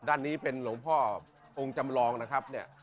ด้านนี้เป็นหลวงพ่อองค์จำลองนะครับเนี่ย